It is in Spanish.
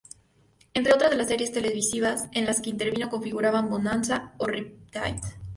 Entre otras de las series televisivas en las que intervino figuran "Bonanza" o "Riptide".